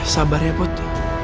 sabar ya put